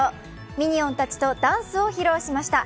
ミニオンたちとダンスを披露しました。